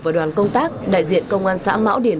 và đoàn công tác đại diện công an xã mão điền